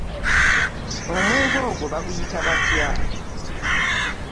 Omwenge ogwo baguyita batya?